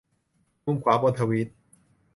มุมขวาบนทวีต